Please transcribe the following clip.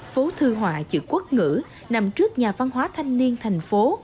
phố thư họa chữ quốc ngữ nằm trước nhà văn hóa thanh niên thành phố